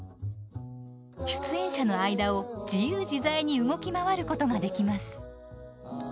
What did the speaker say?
出演者の間を自由自在に動き回ることができます。